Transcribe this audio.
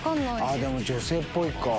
でも女性っぽいか。